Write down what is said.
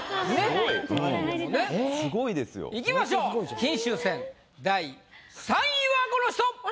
・すごいですよ・いきましょう金秋戦第３位はこの人！